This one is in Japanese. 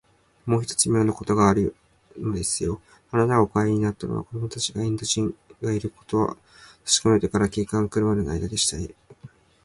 もう一つ、みょうなことがあるのですよ。あなたがお帰りになったのは、子どもたちがインド人がいることをたしかめてから、警官がくるまでのあいだでしたね。